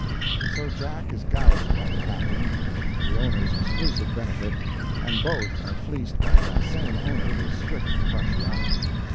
And so Jack is gouged by the Captain, for the owner's exclusive benefit, and both are fleeced by that same owner with strict impartiality.